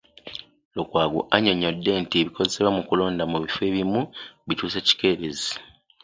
Lukwago annyonnyodde nti ebikozesebwa mu kulonda mu bifo ebimu bituuse kikeerezi